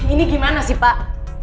ini gimana sih pak